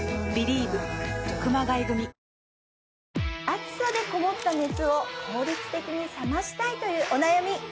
暑さでこもった熱を効率的に冷ましたいというお悩み